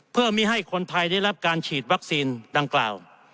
เพื่อไม่ให้คนไทยได้รับการฉีดวัคซีนดังกล่าว